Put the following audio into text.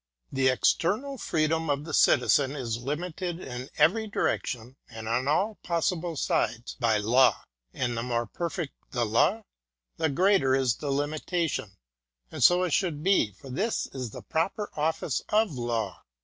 The external freedom of the Citizen is limited in every direction and on all possible sides by Law; and the more per fect the Law, the greater is the limitation, and so it should be, for this is the proper office of Law.